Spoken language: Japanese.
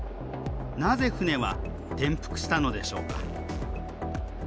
なぜ舟は転覆したのでしょうか。